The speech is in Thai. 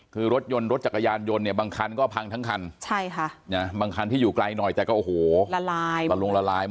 คือรถยนต์รถจักรยานยนต์บางคันก็พังใช่ค่ะที่อยู่ไกลหน่อยร้ายมาลงร้าย